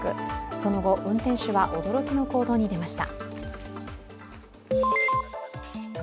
その後、運転手は驚きの行動に出ました。